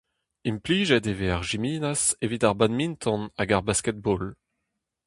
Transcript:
Implijet e vez ar jiminas evit ar badminton hag ar basket-ball.